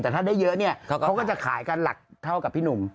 แต่ถ้าได้เยอะเนี่ยเขาก็จะขายกันหลักเท่ากับพี่หนุ่ม